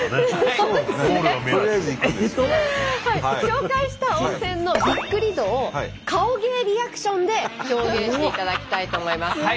紹介した温泉のびっくり度を顔芸リアクションで表現していただきたいと思います。